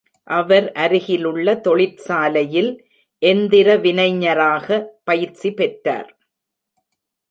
அவர் அருகிலுள்ள தொழிற்சாலையில் எந்திர வினைஞராக பயிற்சிப் பெற்றார்.